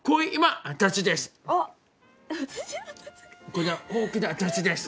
これは大きな辰です。